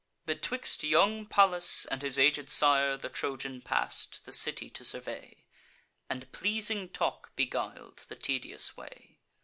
Betwixt young Pallas and his aged sire, The Trojan pass'd, the city to survey, And pleasing talk beguil'd the tedious way.